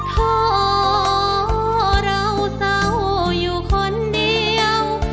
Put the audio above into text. ทรเราเศร้าอยู่คนเดียว